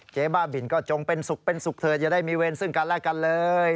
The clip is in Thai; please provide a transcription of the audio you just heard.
บ้าบินก็จงเป็นสุขเป็นสุขเถิอย่าได้มีเวรซึ่งกันและกันเลย